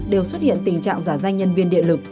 đều xuất hiện tình trạng giả danh nhân viên điện lực